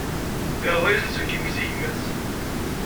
Yerẓa-as aselkim-is i gma-s.